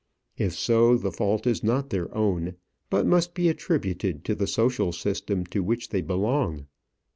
If so, the fault is not their own, but must be attributed to the social system to which they belong.